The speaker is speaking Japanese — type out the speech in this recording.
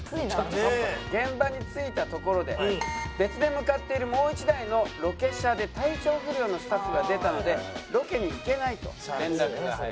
現場に着いたところで別で向かっているもう１台のロケ車で体調不良のスタッフが出たのでロケに行けないと連絡が入る。